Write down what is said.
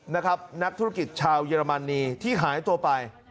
นะครับนักธุรกิจชาวเยอรมันนีที่หายตัวไป